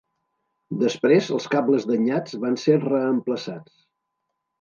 Després els cables danyats van ser reemplaçats.